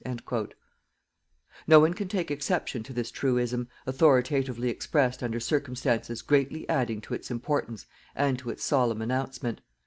_" No one can take exception to this truism, authoritatively expressed under circumstances greatly adding to its importance and to its solemn announcement.